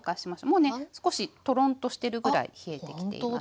もうね少しトロンとしてるぐらい冷えてきていますよ。